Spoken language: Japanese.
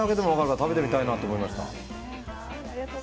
食べてみたいなと思いました。